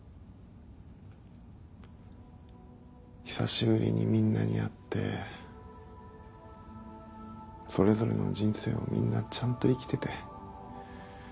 久しぶりにみんなに会ってそれぞれの人生をみんなちゃんと生きてて。